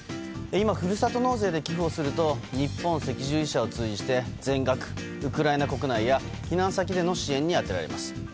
今、ふるさと納税で寄付をすると日本赤十字社を通じて全額ウクライナ国内や避難先での支援に充てられます。